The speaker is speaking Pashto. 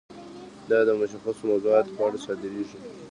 دا د مشخصو موضوعاتو په اړه صادریږي.